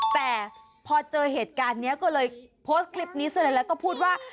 แต่พอเจอเหตุการณ์นี้ก็เลยโพสต์คลิปนี้ซะเลยแล้วก็พูดว่า